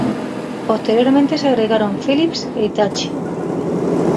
Posteriormente se agregaron Philips e Hitachi.